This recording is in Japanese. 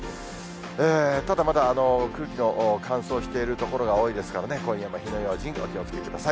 ただ、まだ空気の乾燥している所が多いですからね、今夜も火の用心、お気をつけください。